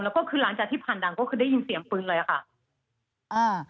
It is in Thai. แล้วก็คือหลังจากที่ผ่านดังก็คือได้ยินเสียงปืนเลยอ่ะค่ะอ่า